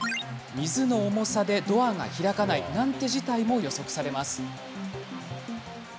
水の重さでドアが開かないなんて事態も予測されます。